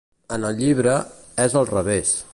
En el llibre, és al revés.